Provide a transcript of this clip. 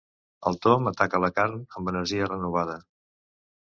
El Tom ataca la carn amb energia renovada.